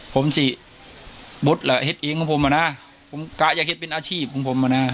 ผมสิบุดม่ะเห็ดเองคงผมอะนะผมกะอยากเห็ดเป็นอาชีพคือผมอะนะ